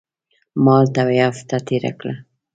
ما هلته یوه هفته تېره کړه.